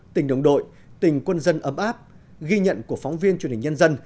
tình đồng đội tình quân dân ấm áp ghi nhận của phóng viên truyền hình nhân dân